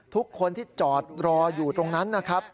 ทุกคนที่จอดรออยู่ตรงนั้นนะครับ